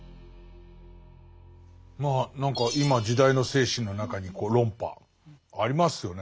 まあ何か今時代の精神の中に論破ありますよね